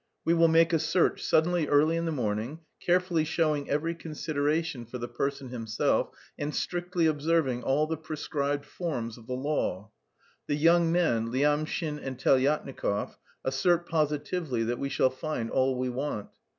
"We will make a search suddenly early in the morning, carefully showing every consideration for the person himself and strictly observing all the prescribed forms of the law. The young men, Lyamshin and Telyatnikov, assert positively that we shall find all we want.